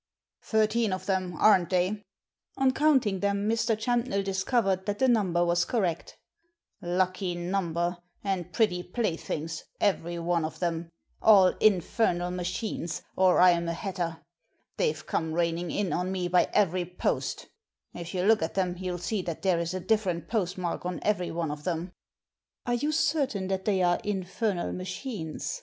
"Thirteen of them, aren*t they?" On counting them Mr. Champnell discovered that the number was correct " Lucky number, and pretty playthings, every one of them. All infernal machines, or Fm a Digitized by VjOOQIC ROBBERY ON THE "STORMY PETREL" 249 hatter. They've come raining in on me by every post — if you look at them you'll see that there is a different postmark on every one of them." "Are you certain that they are infernal machines